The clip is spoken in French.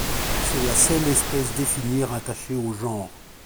C'est la seule espèce définie rattachée au genre.